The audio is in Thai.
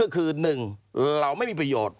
คือหนึ่งเราไม่มีประโยชน์